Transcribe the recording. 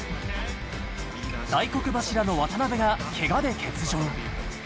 大黒柱の渡邊がけがで欠場。